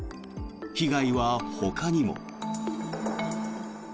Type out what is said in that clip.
被害はほかにも。